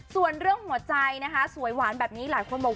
ส่วนเรื่องหัวใจนะคะสวยหวานแบบนี้หลายคนบอก